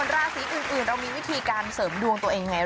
ราศีอื่นเรามีวิธีการเสริมดวงตัวเองยังไง